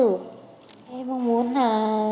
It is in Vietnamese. em mong muốn là